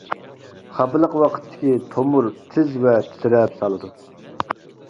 خاپىلىق ۋاقىتتىكى تومۇر تېز ۋە تىترەپ سالىدۇ.